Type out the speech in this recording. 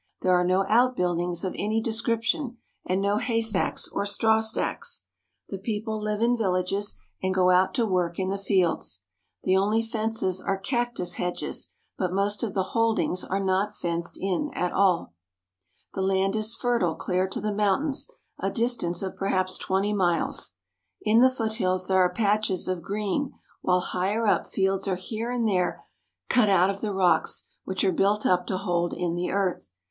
There are no outbuildings of any description, and no haystacks or strawstacks. The peo ple live in villages and go out to work in the fields. Tht only fences are cactus hedges, but most of the holdings are not fenced in at all. The land is fertile clear to the mountains, a distance of perhaps twenty miles. In the foothills there are patches of green, while higher up fields are here and there cut out of the rocks, which are built up to hold in the earth.